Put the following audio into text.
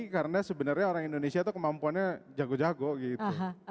karena sebenarnya orang indonesia tuh kemampuannya jago jago gitu